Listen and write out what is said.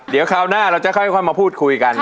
เดี๋ยวคราวหน้าเราจะค่อยมาพูดคุยกัน